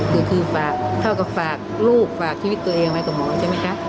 ก็คือฝากเท่ากับฝากลูกฝากชีวิตตัวเองไว้กับหมอใช่ไหมคะ